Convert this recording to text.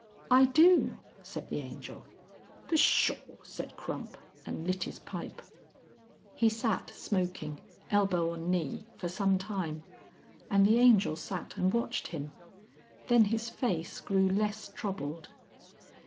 "I do," said the Angel. "Pshaw!" said Crump, and lit his pipe. He sat smoking, elbow on knee, for some time, and the Angel sat and watched him. Then his face grew less troubled.